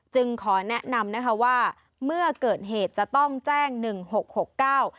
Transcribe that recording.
ขอแนะนำนะคะว่าเมื่อเกิดเหตุจะต้องแจ้งหนึ่งหกหกเก้า